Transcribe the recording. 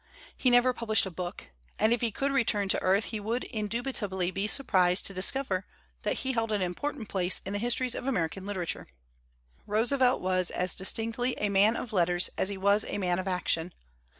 He never published a book; and if he could return to earth he would indubitably be surprised to dis cover that he held an important place in the histories of American literature, Roosevelt was as distinctly a man of letters as he was a man of action.